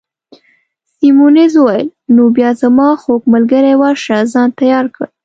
سیمونز وویل: نو بیا زما خوږ ملګرې، ورشه ځان تیار کړه.